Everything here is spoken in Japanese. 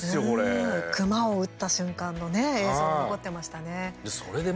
熊を撃った瞬間のね映像、残ってましたね。